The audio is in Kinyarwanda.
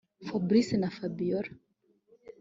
Fabric na fabiora